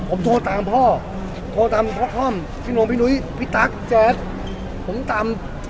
ผมโทรตามพ่อโทรตามพ่อคล่อมพี่โนพี่นุ้ยพี่ตั๊กแจ๊ดผมตาม